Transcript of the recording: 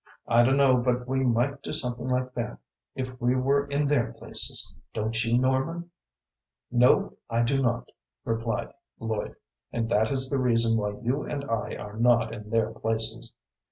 I dunno but we might do something like that, if we were in their places don't you, Norman?" "No, I do not," replied Lloyd; "and that is the reason why you and I are not in their places."